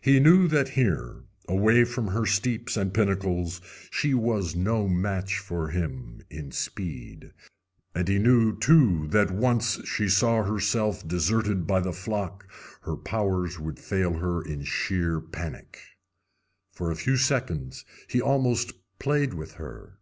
He knew that here, away from her steeps and pinnacles, she was no match for him in speed, and he knew, too, that once she saw herself deserted by the flock her powers would fail her in sheer panic. For a few seconds he almost played with her.